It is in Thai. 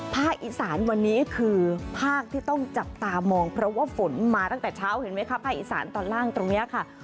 ภาคอีสานวันนี้คือภาคที่ต้องจับตามองเพราะว่าฝนมาตั้งแต่เช้าเห็นไหมคะภาคอีสานตอนล่างตรงนี้ค่ะ